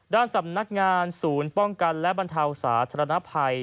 ด้านสำนักงานศูนย์ป้องกันและบรรเทาสาธารณภัย